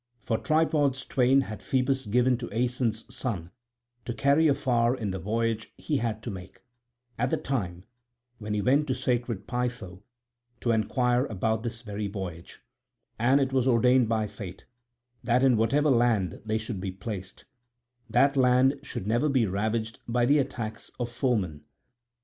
For tripods twain had Phoebus given to Aeson's son to carry afar in the voyage he had to make, at the time when he went to sacred Pytho to enquire about this very voyage; and it was ordained by fate that in whatever land they should be placed, that land should never be ravaged by the attacks of foemen.